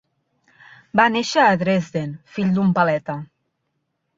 Va néixer a Dresden, fill d'un paleta.